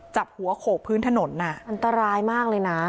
จับหัวโขกพื้นถนนอันตรายมากเลยนะ